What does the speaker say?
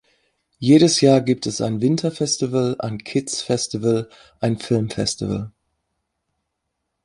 Jedes Jahr gibt es ein Winterfestival, ein Kidsfestival, ein Filmfestival.